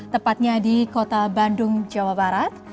tepatnya di kota bandung jawa barat